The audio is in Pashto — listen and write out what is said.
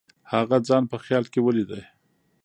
هغه ځان په خیال کې ولید.